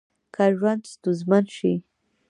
که ژوند ستونزمن شي